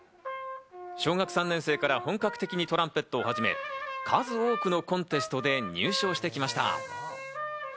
小学３年生から本格的にトランペットを始め、数多くのコンテストで入賞してきました。